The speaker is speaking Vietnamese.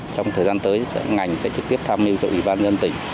trong thời gian tới ngành sẽ trực tiếp tham mưu cho ủy ban nhân tỉnh